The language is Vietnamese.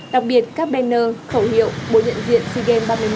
đặc biệt các banner khẩu hiệu bộ nhận diện sea game ba mươi một